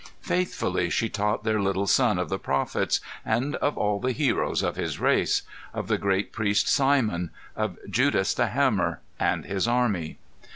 Faithfully she taught their little son of the prophets, and of all the heroes of his race; of the great priest Simon; of Judas the Hammer, and his army.